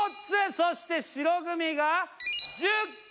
そして白組が１０個！